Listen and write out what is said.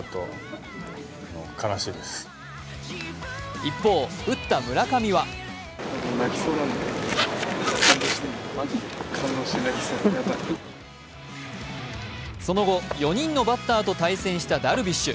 一方、打った村上はその後、４人のバッターと対戦したダルビッシュ。